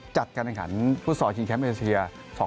จัดการงานขันฟุตซอลชีนแซมแอเซีย๒๐๒๐